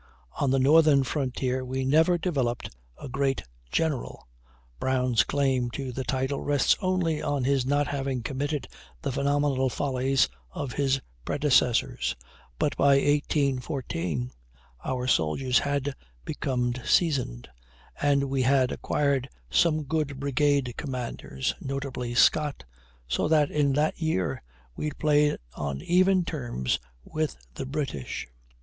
On the northern frontier we never developed a great general, Brown's claim to the title rests only on his not having committed the phenomenal follies of his predecessors, but by 1814 our soldiers had become seasoned, and we had acquired some good brigade commanders, notably Scott, so that in that year we played on even terms with the British.